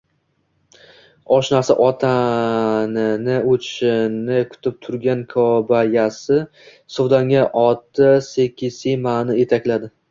Oshnasi Otanini o`tishini kutib turgan Kobayasi suvdonga oti Sikisimani etakladi